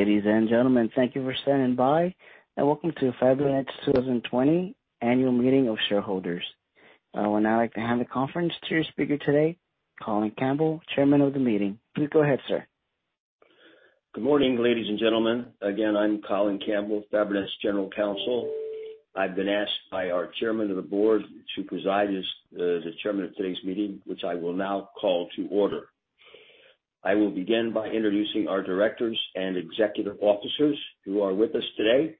Ladies and gentlemen, thank you for standing by, and welcome to the Fabrinet 2020 Annual Meeting of Shareholders. I would now like to hand the conference to your speaker today, Colin Campbell, chairman of the meeting. Please go ahead, sir. Good morning, ladies and gentlemen. Again, I'm Colin Campbell, Fabrinet's General Counsel. I've been asked by our Chairman of the Board to preside as the chairman of today's meeting, which I will now call to order. I will begin by introducing our directors and executive officers who are with us today.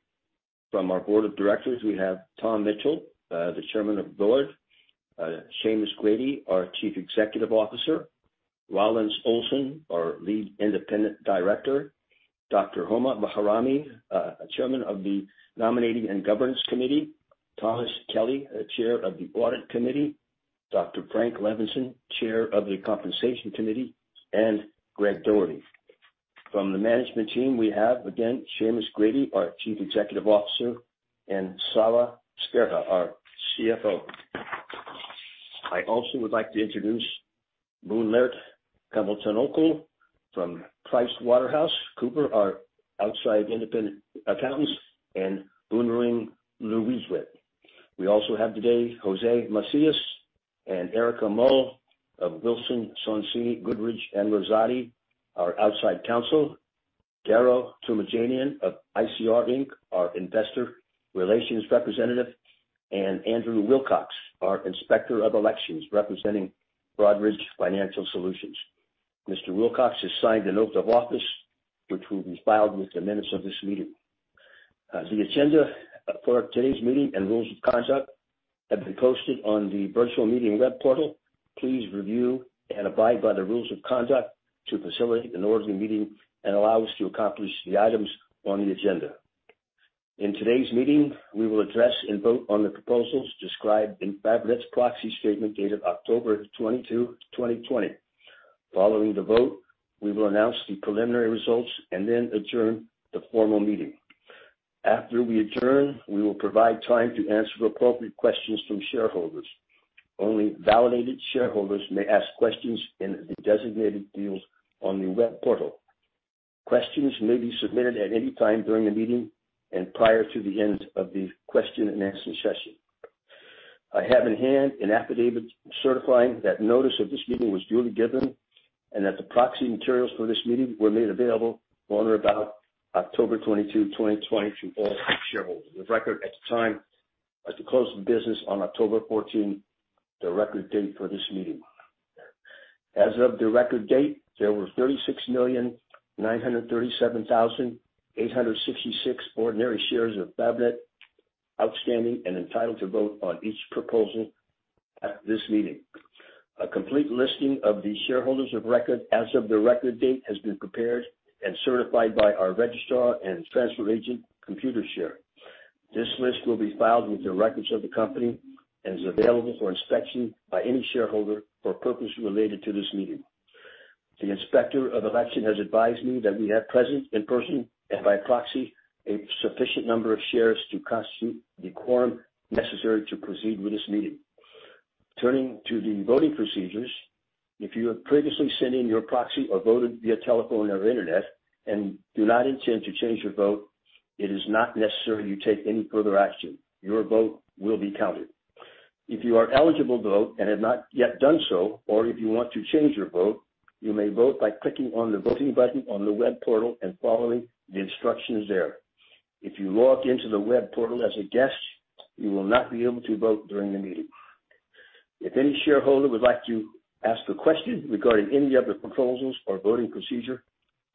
From our Board of Directors, we have Tom Mitchell, the Chairman of the Board. Seamus Grady, our Chief Executive Officer. Rollance Olson, our Lead Independent Director. Dr. Homa Bahrami, Chairman of the Nominating and Governance Committee. Thomas Kelly, Chair of the Audit Committee. Dr. Frank Levinson, Chair of the Compensation Committee, and Greg Dougherty. From the management team, we have, again, Seamus Grady, our Chief Executive Officer, and Csaba Sverha, our CFO. I also would like to introduce from PricewaterhouseCoopers, our outside independent accountants, and [Boonrueng Lerdwiseswit]. We also have today Jose Macias and Erika Muhl of Wilson Sonsini Goodrich & Rosati, our outside counsel. Garo Toomajanian of ICR Inc., our investor relations representative, and Andrew Wilcox, our inspector of elections, representing Broadridge Financial Solutions. Mr. Wilcox has signed an oath of office, which will be filed with the minutes of this meeting. The agenda for today's meeting and rules of conduct have been posted on the virtual meeting web portal. Please review and abide by the rules of conduct to facilitate an orderly meeting and allow us to accomplish the items on the agenda. In today's meeting, we will address and vote on the proposals described in Fabrinet's proxy statement dated October 22, 2020. Following the vote, we will announce the preliminary results and then adjourn the formal meeting. After we adjourn, we will provide time to answer appropriate questions from shareholders. Only validated shareholders may ask questions in the designated fields on the web portal. Questions may be submitted at any time during the meeting and prior to the end of the question-and-answer session. I have in hand an affidavit certifying that notice of this meeting was duly given and that the proxy materials for this meeting were made available on or about October 22, 2020, to all shareholders of record at the time as of close of business on October 14, the record date for this meeting. As of the record date, there were 36,937,866 ordinary shares of Fabrinet outstanding and entitled to vote on each proposal at this meeting. A complete listing of the shareholders of record as of the record date has been prepared and certified by our registrar and transfer agent, Computershare. This list will be filed with the records of the company and is available for inspection by any shareholder for purpose related to this meeting. The inspector of election has advised me that we have present in person and by proxy a sufficient number of shares to constitute the quorum necessary to proceed with this meeting. Turning to the voting procedures, if you have previously sent in your proxy or voted via telephone or internet and do not intend to change your vote, it is not necessary you take any further action. Your vote will be counted. If you are eligible to vote and have not yet done so, or if you want to change your vote, you may vote by clicking on the voting button on the web portal and following the instructions there. If you log into the web portal as a guest, you will not be able to vote during the meeting. If any shareholder would like to ask a question regarding any of the proposals or voting procedure,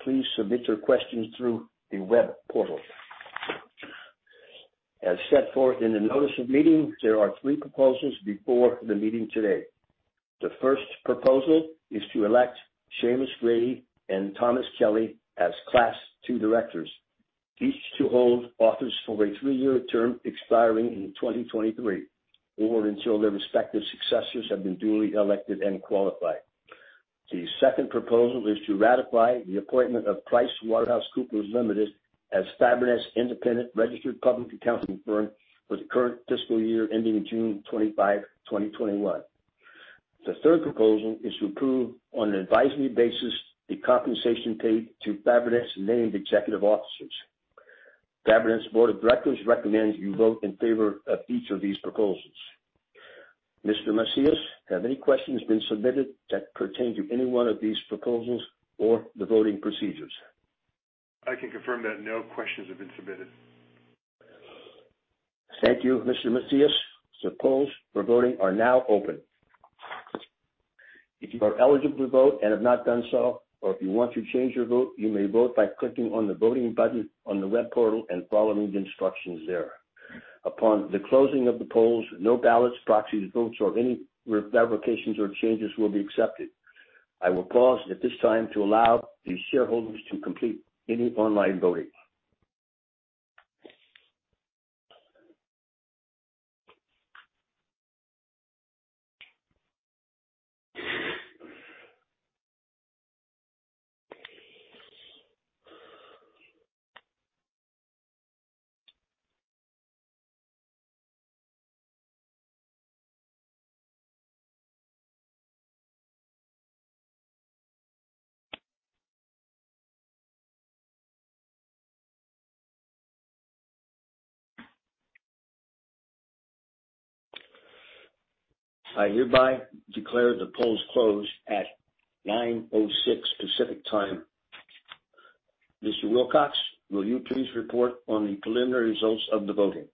please submit your questions through the web portal. As set forth in the notice of meeting, there are three proposals before the meeting today. The first proposal is to elect Seamus Grady and Thomas Kelly as Class II directors. These two hold office for a three-year term expiring in 2023 or until their respective successors have been duly elected and qualified. The second proposal is to ratify the appointment of PricewaterhouseCoopers Limited as Fabrinet's independent registered public accounting firm for the current fiscal year ending June 25, 2021. The third proposal is to approve, on an advisory basis, the compensation paid to Fabrinet's named executive officers. Fabrinet's board of directors recommends you vote in favor of each of these proposals. Mr. Macias, have any questions been submitted that pertain to any one of these proposals or the voting procedures? I can confirm that no questions have been submitted. Thank you, Mr. Macias. The polls for voting are now open. If you are eligible to vote and have not done so, or if you want to change your vote, you may vote by clicking on the voting button on the web portal and following the instructions there. Upon the closing of the polls, no ballots, proxies, votes or any revocations or changes will be accepted. I will pause at this time to allow the shareholders to complete any online voting. I hereby declare the polls closed at 9:06 Pacific Time. Mr. Wilcox, will you please report on the preliminary results of the voting?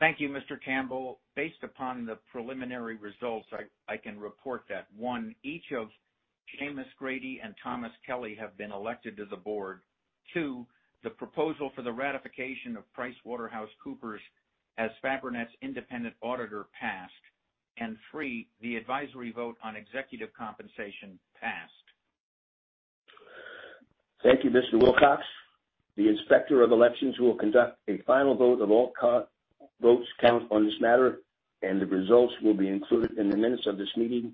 Thank you, Mr. Campbell. Based upon the preliminary results, I can report that, one, each of Seamus Grady and Thomas Kelly have been elected to the board. Two, the proposal for the ratification of PricewaterhouseCoopers as Fabrinet's independent auditor passed. Three, the advisory vote on executive compensation passed. Thank you, Mr. Wilcox. The Inspector of Elections will conduct a final vote of all votes count on this matter, and the results will be included in the minutes of this meeting.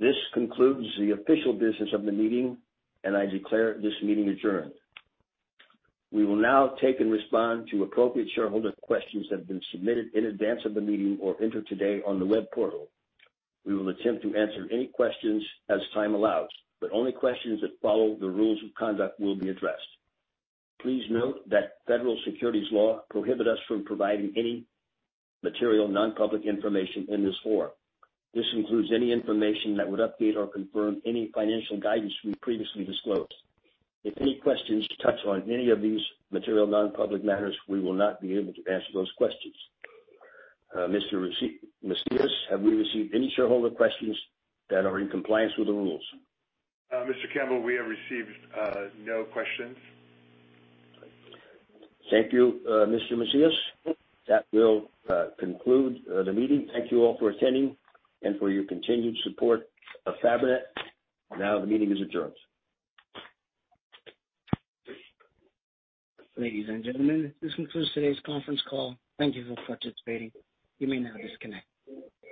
This concludes the official business of the meeting, and I declare this meeting adjourned. We will now take and respond to appropriate shareholder questions that have been submitted in advance of the meeting or entered today on the web portal. We will attempt to answer any questions as time allows. Only questions that follow the rules of conduct will be addressed. Please note that federal securities law prohibit us from providing any material non-public information in this forum. This includes any information that would update or confirm any financial guidance we previously disclosed. If any questions touch on any of these material non-public matters, we will not be able to answer those questions. Mr. Macias, have we received any shareholder questions that are in compliance with the rules? Mr. Campbell, we have received no questions. Thank you, Mr. Macias. That will conclude the meeting. Thank you all for attending and for your continued support of Fabrinet. Now the meeting is adjourned. Ladies and gentlemen, this concludes today's conference call. Thank you for participating. You may now disconnect.